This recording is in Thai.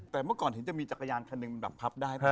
แต่เมื่อก่อนทีจะมีจักรยานคันนึงแบบพับได้เปล่า